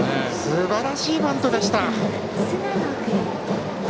すばらしいバントでした。